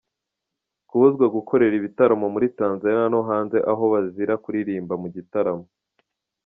kubuzwa gukorera ibitaramo muri Tanzania no hanze aho bazira kuririmba mu gitaramo